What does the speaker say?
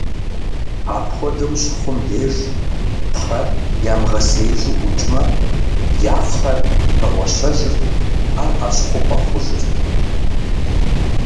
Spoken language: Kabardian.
Апхуэдэу щыхъум деж, кхъэр ямыгъэсеижу ӀукӀмэ, я кхъэр хэгъуэщэжырт, ар Ӏэщ хъупӀэ хъужырт.